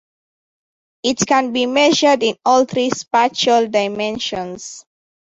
It can be measured in all three spatial dimensions.